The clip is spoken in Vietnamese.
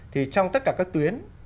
thì trong tất cả các tuyến